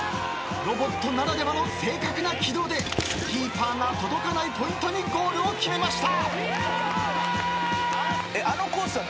［ロボットならではの正確な軌道でキーパーが届かないポイントにゴールを決めました］